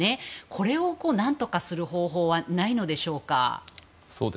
これを何とかする方法はないのでしょうか。